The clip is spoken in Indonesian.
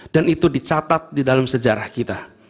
dan itu dicatat di dalam sejarah kita